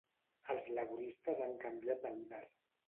Els laboristes han canviat de líder